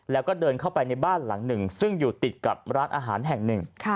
แล้วก็เดินเข้าไปในบ้านหลังหนึ่งซึ่งอยู่ติดกับร้านอาหารแห่งหนึ่ง